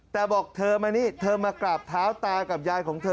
แต่บอกเธอมานี่เธอมากราบเท้าตากับยายของเธอ